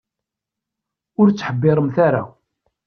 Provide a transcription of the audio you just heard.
Ur ttḥebbiret ara.